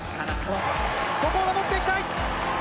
ここを守っていきたい